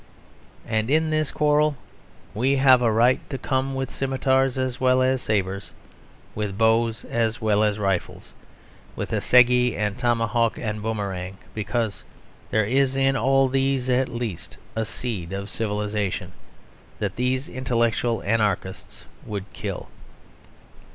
And in this quarrel we have a right to come with scimitars as well as sabres, with bows as well as rifles, with assegai and tomahawk and boomerang, because there is in all these at least a seed of civilisation that these intellectual anarchists would kill.